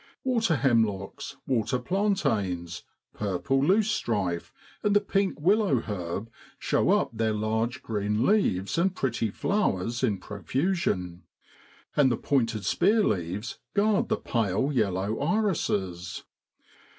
Water hemlocks, water plantains, purple loose strife, and the pink willow herb show up their large green leaves and pretty flowers in profusion; and the pointed spear leaves guard the pale yellow irises.